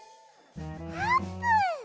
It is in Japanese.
あーぷん！